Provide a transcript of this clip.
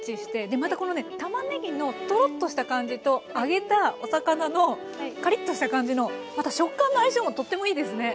でまたこのねたまねぎのトロッとした感じと揚げたお魚のカリッとした感じのまた食感の相性もとってもいいですね。